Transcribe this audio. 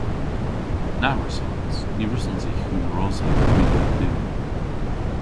Na wrussons. Ny wrussons i hunrosa yn gwynn ha du!